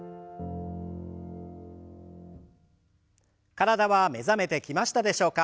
体は目覚めてきましたでしょうか？